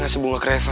ngasih bunga kreva